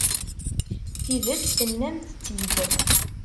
Tidet, tennamt-tt-id.